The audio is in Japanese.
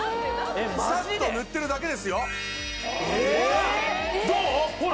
サッと塗ってるだけですよほら！